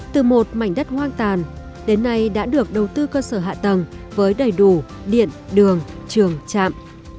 từ một mảnh đất hoang tàn đến nay đã được đầu tư cơ sở hạ tầng với đầy đủ điện đường trường trạm